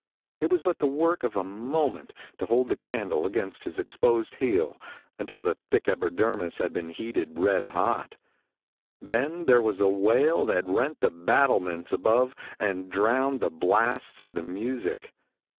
It was but the work of a moment to hold a candle against this exposed heel until the thick epidermis had been heated red hot. Then there was a wail that rent the battlements above and drowned the blasts of the music.